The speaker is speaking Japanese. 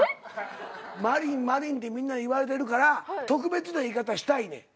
真凜真凜ってみんなに言われてるから特別な言い方したいねん。